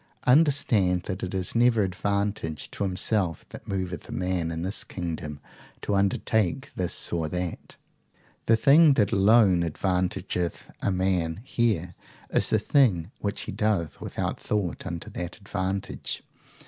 Understand that it is never advantage to himself that moveth a man in this kingdom to undertake this or that. The thing that alone advantageth a man here is the thing which he doth without thought unto that advantage.